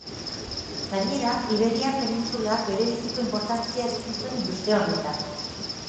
Gainera, iberiar penintsulak berebiziko inportantzia eduki zuen industria honetan.